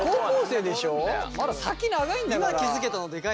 まだ先長いんだから。